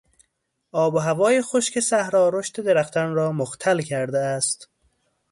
آب و هوای خشک صحرا رشد درختان را مختل کرده است.